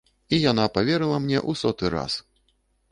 І яна паверыла мне ў соты раз.